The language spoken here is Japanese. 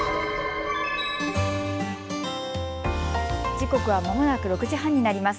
時刻はまもなく６時半になります。